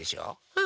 うん！